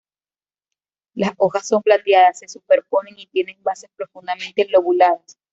Las hojas son plateadas, se superponen y tienen bases profundamente lobuladas.